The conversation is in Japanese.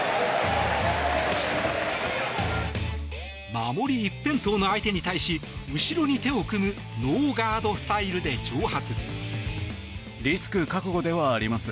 守り一辺倒の相手に対し後ろに手を組むノーガードスタイルで挑発。